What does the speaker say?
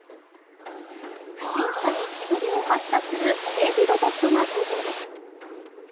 不審者に煙を発射する警備ロボットが登場です。